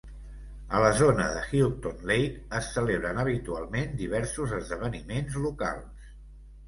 A la zona de Houghton Lake es celebren habitualment diversos esdeveniments locals.